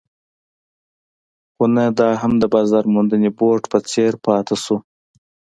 خو نه دا هم د بازار موندنې بورډ په څېر پاتې شو.